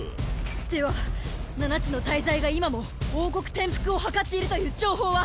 では七つの大罪が今も王国転覆を謀っているという情報は？